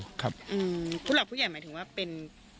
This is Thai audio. ผู้หลักผู้ใหญ่หมายถึงว่าเป็น